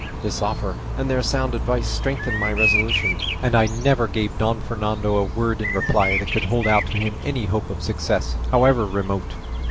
This offer, and their sound advice strengthened my resolution, and I never gave Don Fernando a word in reply that could hold out to him any hope of success, however remote.